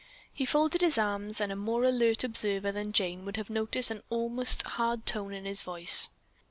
He folded his arms and a more alert observer than Jane would have noticed an almost hard tone in his voice.